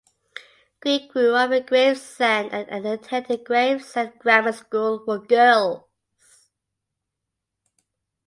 Green grew up in Gravesend and attended Gravesend Grammar School for Girls.